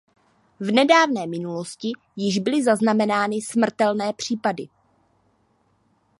V nedávné minulosti již byly zaznamenány smrtelné případy.